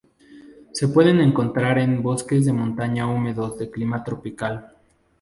Se pueden encontrar en bosques de montaña húmedos de clima tropical.